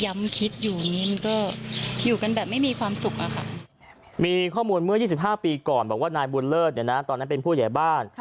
มีข้อมูลเมื่อ๒๕ปีก่อนบอกว่านายบวนเลิศเนี่ยนะตอนนั้นเป็นผู้ใหญ่บ้าน